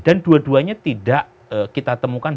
dan dua duanya tidak kita temukan